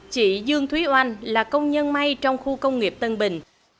chị dương thúy oanh là công nhân may trong khu công nghiệp tân bình